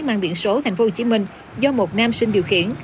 mang biển số tp hcm do một nam sinh điều khiển